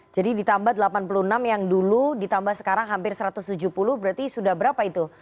jadi ditambah delapan puluh enam yang dulu ditambah sekarang hampir satu ratus tujuh puluh berarti sudah berapa itu